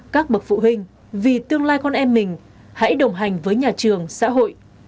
các bậc phụ huynh vì tương lai con em mình hãy đồng hành với nhà trường xã hội